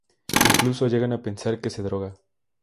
Incluso llegan a pensar que se droga.